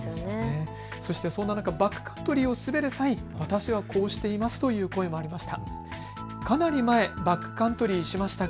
そんな中、バックカントリーで滑る際、私はこうしていますという声もありました。